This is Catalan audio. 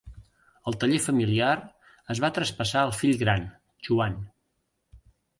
El taller familiar es va traspassar al fill gran, Joan.